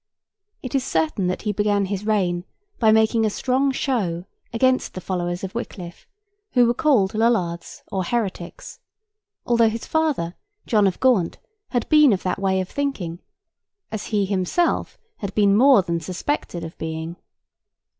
It is certain that he began his reign by making a strong show against the followers of Wickliffe, who were called Lollards, or heretics—although his father, John of Gaunt, had been of that way of thinking, as he himself had been more than suspected of being.